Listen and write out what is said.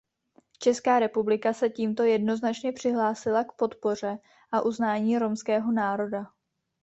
Česká republika se tímto jednoznačně přihlásila k podpoře a uznání romského národa.